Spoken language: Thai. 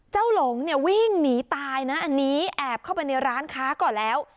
หลงเนี่ยวิ่งหนีตายนะอันนี้แอบเข้าไปในร้านค้าก่อนแล้ว